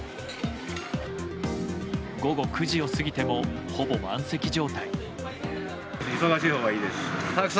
午後９時を過ぎてもほぼ満席状態。